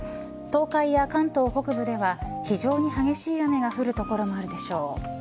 東海や関東北部では非常に激しい雨が降る所もあるでしょう。